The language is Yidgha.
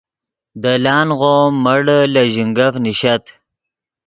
دے لانغو ام مڑے لے ژینگف نیشت